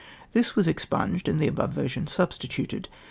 This was expunged, and the above version substituted.